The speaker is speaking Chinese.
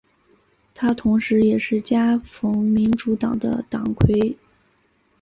他同时也是加蓬民主党的党魁。